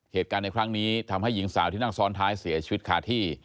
เหตุการณ์ในครั้งนี้ทำให้หญิงสาวที่นั่งซ้อนท้ายเสียชีวิตคาที่